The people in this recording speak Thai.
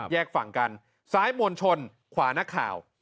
แยกฝั่งกันซ้ายมวลชนขวานักข่าว